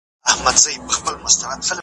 مور مي وویل چي تل په خپل ځان باور ولره.